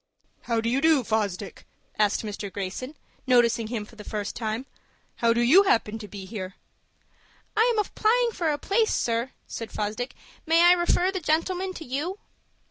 "How do you do, Fosdick?" asked Mr. Greyson, noticing him for the first time. "How do you happen to be here?" "I am applying for a place, sir," said Fosdick. "May I refer the gentleman to you?"